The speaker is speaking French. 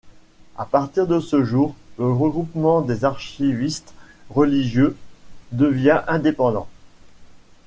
À partir de ce jour, le Regroupement des archivistes religieux devient indépendant.